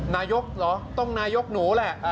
นายกเหรอต้องนายกหนูแหละ